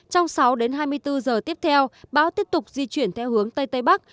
trong sáu đến hai mươi bốn giờ tiếp theo bão tiếp tục di chuyển theo hướng tây tây bắc